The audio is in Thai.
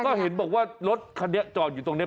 ก็เห็นบอกว่ารถคันนี้จอดอยู่ตรงนี้